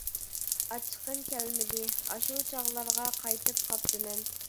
-ئاچچىقىم كەلمىدى، ئاشۇ چاغلارغا قايتىپ قاپتىمەن.